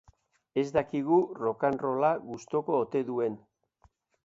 Ez dakigu rockanrolla gustuko ote duen.